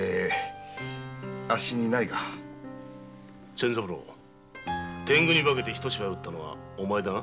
仙三郎天狗に化けてひと芝居うったのはお前だな？